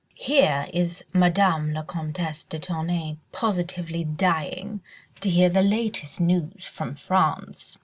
Here is Madame la Comtesse de Tournay positively dying to hear the latest news from France."